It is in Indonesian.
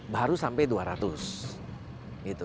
baru sampai dua ratus